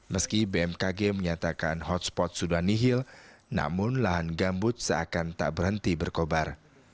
meski bmkg menyatakan hotspot sudah nihil namun lahan gambut seakan tak berhenti berkobar